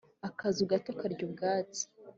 Akazu gato karya ubwatsi.